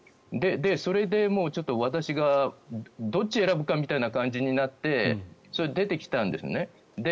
それでちょっと私がどっちを選ぶかみたいな感じになって出てきたんですね。